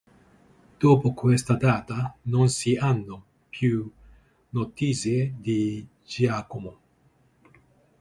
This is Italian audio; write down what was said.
Dopo questa data non si hanno più notizie di Giacomo.